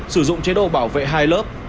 sử dụng chế độ bảo vệ hai lớp